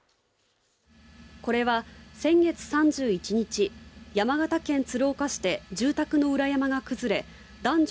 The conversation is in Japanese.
これは先月３１日山形県鶴岡市で住宅の裏山が崩れ男女